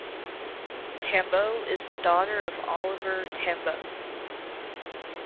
Tambo is the daughter of Oliver Tambo.